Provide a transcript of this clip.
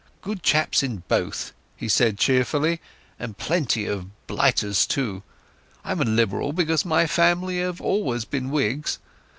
"Good chaps in both," he said cheerfully, "and plenty of blighters, too. I'm Liberal, because my family have always been Whigs."